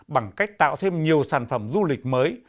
bằng cách tạo thêm nhiều sản phẩm du lịch mới